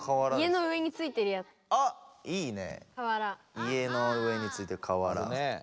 家の上についてる瓦です。